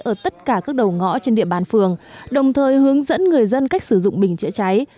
ở tất cả các đầu ngõ trên địa bàn phường đồng thời hướng dẫn người dân cách sử dụng bình chữa cháy